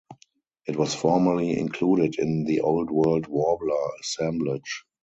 It was formerly included in the "Old World warbler" assemblage.